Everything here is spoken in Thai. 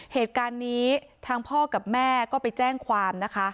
เหตุการณ์นี้ทางพ่อกับแม่ก็ไปแจ้งความนะคะ